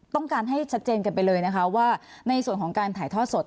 ต้องการให้ชัดเจนกันไปเลยนะคะว่าในส่วนของการถ่ายทอดสด